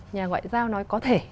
nhà ngoại giao nói có thể